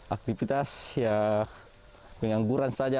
aktivitas ya pengangguran saja